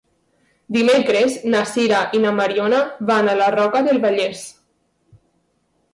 Dimecres na Sira i na Mariona van a la Roca del Vallès.